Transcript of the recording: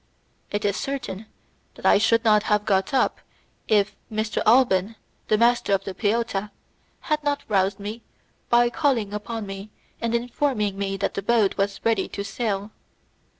It is certain that I should not have got up if M. Alban, the master of the peotta, had not roused me by calling upon me and informing me that the boat was ready to sail.